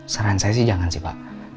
saran saya sih jangan sih pak